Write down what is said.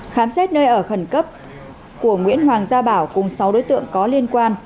khám xét nơi ở khẩn cấp của nguyễn hoàng gia bảo cùng sáu đối tượng có liên quan